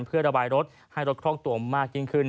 เพื่อระบายรถให้รถคล่องตัวมากยิ่งขึ้น